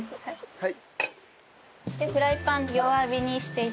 はい。